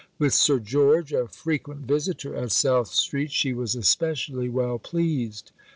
With Sir George, a frequent visitor at South Street, she was especially well pleased.